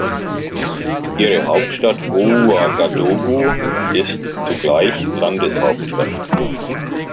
Ihre Hauptstadt Ouagadougou ist zugleich Landeshauptstadt.